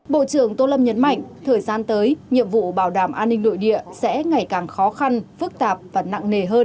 bộ trưởng tô lâm nhấn mạnh thời gian tới nhiệm vụ bảo đảm an ninh nội địa sẽ ngày càng khó khăn phức tạp và nặng nề hơn